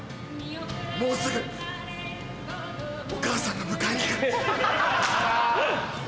もうすぐお母さんが迎えに来る。